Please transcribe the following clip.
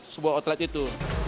sebuah outlet itu